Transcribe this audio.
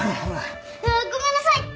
ごめんなさい！